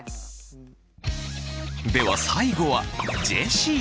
では最後はジェシー。